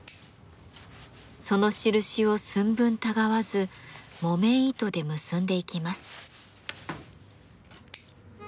その印を寸分たがわず木綿糸で結んでいきます。